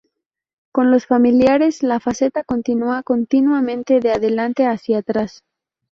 Con los familiares, la faceta continúa continuamente de adelante hacia atrás.